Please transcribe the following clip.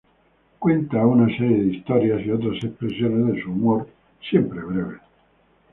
Cuenta una serie de historias y otras expresiones de su humor, siempre breves.